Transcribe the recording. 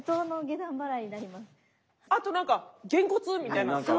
あと何かげんこつみたいな。